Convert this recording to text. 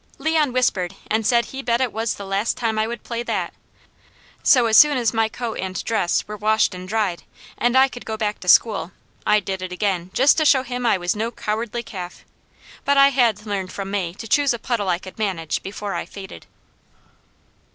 Leon whispered and said he bet it was the last time I would play that, so as soon as my coat and dress were washed and dried, and I could go back to school, I did it again, just to show him I was no cowardy calf; but I had learned from May to choose a puddle I could manage before I faded.